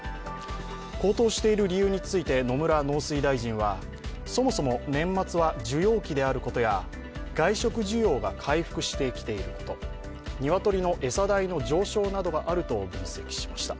高騰している理由について、野村農林水産大臣は、そもそも年末は需要期であることや、外食需要が回復してきていること、鶏の餌代の上昇などがあると分析しました。